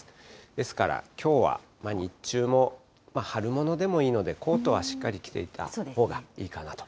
ですからきょうは、日中も春物でもいいので、コートはしっかり着ていたほうがいいかなと。